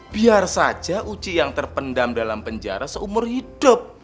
biar saja uji yang terpendam dalam penjara seumur hidup